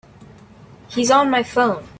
He's on my phone.